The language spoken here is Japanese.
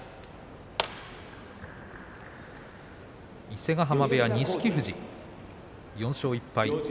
伊勢ヶ濱部屋の錦富士、４勝１敗。